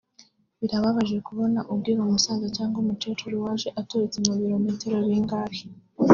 birababaje kubona ubwira umusaza cyangwa umukecuru waje aturutse mu birometero bingahe